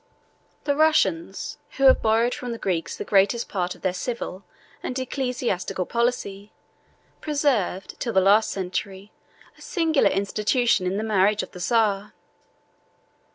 The Russians, who have borrowed from the Greeks the greatest part of their civil and ecclesiastical policy, preserved, till the last century, a singular institution in the marriage of the Czar.